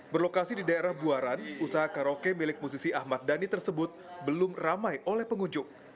berlokasi di daerah buaran usaha karaoke milik musisi ahmad dhani tersebut belum ramai oleh pengunjung